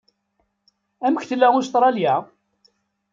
Amek tella Ustṛalya?